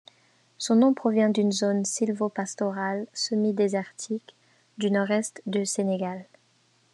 Son nom provient d'une zone sylvopastorale semi-désertique du nord-est du Sénégal.